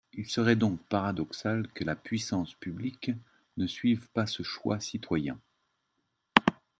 Il serait donc paradoxal que la puissance publique ne suive pas ce choix citoyen.